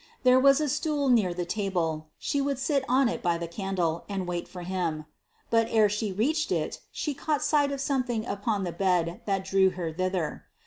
There was a stool near the table: she would sit on it by the candle, and wait for him. But ere she reached it, she caught sight of something upon the bed that drew her thither.